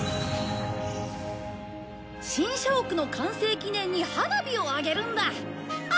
新社屋の完成記念に花火を上げるんだ。